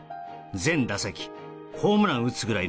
「全打席ホームラン打つぐらいの」